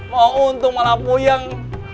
mau untung malah puyeng